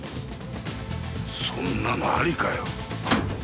そんなのありかよ。